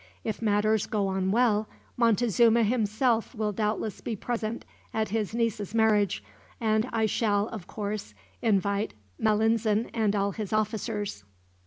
If matters go on well, Montezuma himself will doubtless be present at his niece's marriage; and I shall, of course, invite Malinzin and all his officers."